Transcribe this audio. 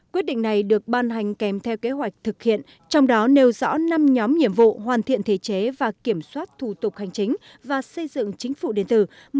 quyết định này được ban hành kèm theo kế hoạch thực hiện trong đó nêu rõ năm nhóm nhiệm vụ hoàn thiện thể chế và kiểm soát thủ tục hành chính và xây dựng chính phủ điện tử